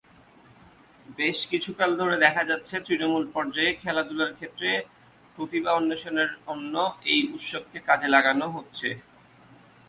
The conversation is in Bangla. বেশ কিছুকাল ধরে দেখা যাচ্ছে, তৃণমূল পর্যায়ে খেলাধুলার ক্ষেত্রে প্রতিভা অন্বেষণের অন্য, এই উৎসবকে কাজে লাগানো হচ্ছে।